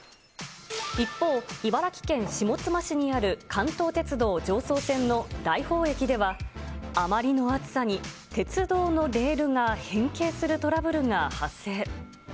一方、茨城県下妻市にある関東鉄道常総線の大宝駅では、あまりの暑さに鉄道のレールが変形するトラブルが発生。